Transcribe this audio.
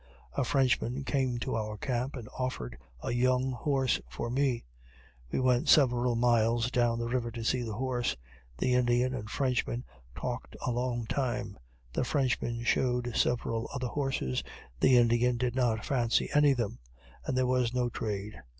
A Frenchman came to our camp, and offered a young horse for me we went several miles down the river to see the horse the Indian and Frenchman talked a long time the Frenchman showed several other horses the Indian did not fancy any of them, and there was no trade.